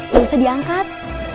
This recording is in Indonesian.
gak usah diangkat